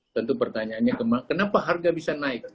tentu pertanyaannya kenapa harga bisa naik